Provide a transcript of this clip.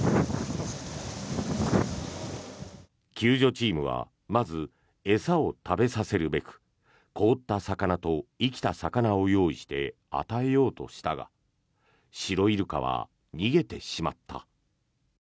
救助チームはまず、餌を食べさせるべく凍った魚と生きた魚を用意して与えようとしたがシロイルカは逃げてしまった。